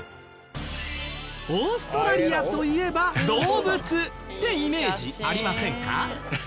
オーストラリアといえば動物ってイメージありませんか？